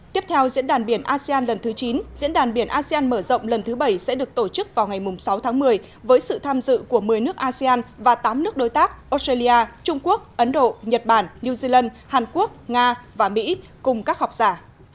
tiếp theo diễn đàn biển asean lần thứ chín diễn đàn biển asean mở rộng lần thứ bảy sẽ được tổ chức vào ngày sáu tháng một mươi với sự tham dự của một mươi nước asean và tám nước đối tác australia trung quốc ấn độ nhật bản new zealand hàn quốc nga và mỹ cùng các học giả